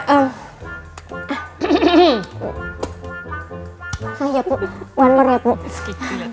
one more ya puk